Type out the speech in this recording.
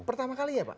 pertama kali ya pak